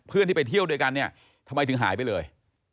เพื่อนที่ไปเที่ยวด้วยกันเนี่ยทำไมถึงหายไปเลย